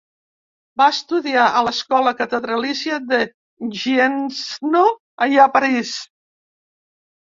Va estudiar a l'escola catedralícia de Gniezno i a París.